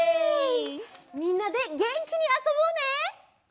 みんなでげんきにあそぼうね！